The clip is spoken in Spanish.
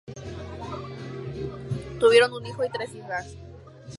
Tuvieron un hijo y tres hijas.